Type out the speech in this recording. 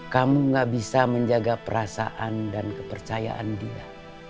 kamu gak bisa menjaga perasaan dan kepercayaan dia